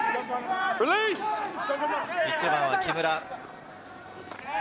１番は木村。